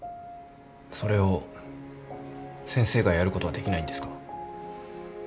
それを先生がやることはできないんですか？